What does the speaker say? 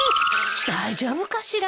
大丈夫かしら？